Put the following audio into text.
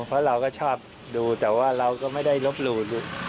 เพราะเราก็ชอบดูแต่ว่าเราก็ไม่ได้ลบหลู่